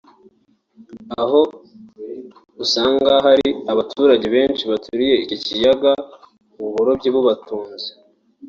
aho usanga hari abaturage benshi baturiye iki kiyaga ubu burobyi bubatunze